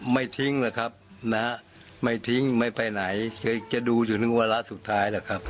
ไม่ทิ้งนะครับนะไม่ทิ้งไม่ไปไหนจะดูจนถึงเวลาสุดท้ายนะครับ